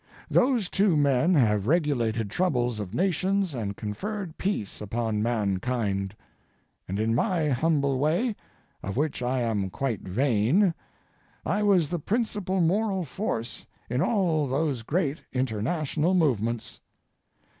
Those two men have regulated troubles of nations and conferred peace upon mankind. And in my humble way, of which I am quite vain, I was the principal moral force in all those great international movements.